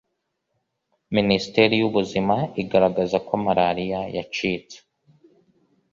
Minisiteri y ‘Ubuzima igaragaza ko maraliya yacitse.